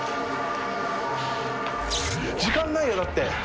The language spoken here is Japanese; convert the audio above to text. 時間ないよだって。